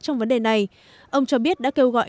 trong vấn đề này ông cho biết đã kêu gọi